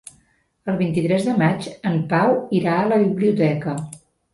El vint-i-tres de maig en Pau irà a la biblioteca.